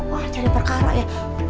wah jadi perkara ya